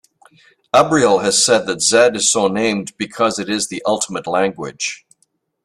Abrial has said that Z is so named Because it is the ultimate language!